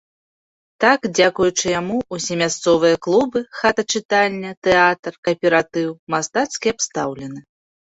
Так, дзякуючы яму ўсе мясцовыя клубы, хата-чытальня, тэатр, кааператыў мастацкі абстаўлены.